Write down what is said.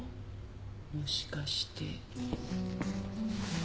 もしかして。